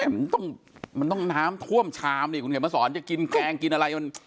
มันต้องน้ำท่วมชามนี่คุณเห็นมาสอนจะกินแกงกินอะไร